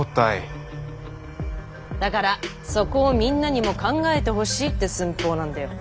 だからそこをみんなにも考えてほしいって寸法なんだよ！